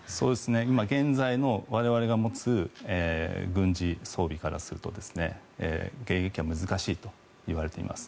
今現在の我々が持つ軍事装備からすると迎撃は難しいといわれています。